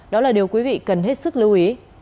đó là điều quý vị cần hết sức lưu ý